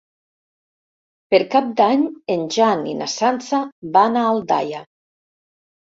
Per Cap d'Any en Jan i na Sança van a Aldaia.